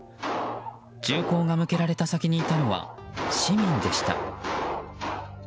銃口が向けられた先にいたのは市民でした。